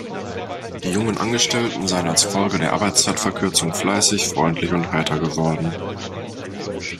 Die jungen Angestellten seien als Folge der Arbeitszeit-Verkürzung fleißig, freundlich und heiter geworden.